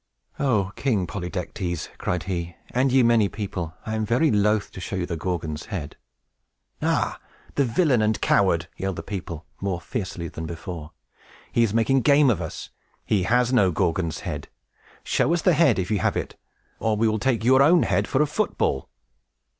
"O King Polydectes," cried he, "and ye many people, I am very loath to show you the Gorgon's head!" "Ah, the villain and coward!" yelled the people, more fiercely than before. "He is making game of us! He has no Gorgon's head! Show us the head, if you have it, or we will take your own head for a football!"